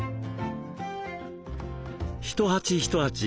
一鉢一鉢